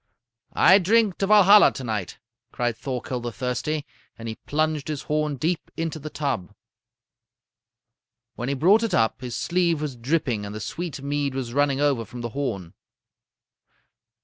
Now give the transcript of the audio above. "'I drink to Valhalla to night,' cried Thorkel the Thirsty, and he plunged his horn deep into the tub. "When he brought it up, his sleeve was dripping and the sweet mead was running over from the horn.